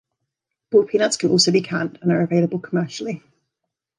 Boiled peanuts can also be canned, and are available commercially.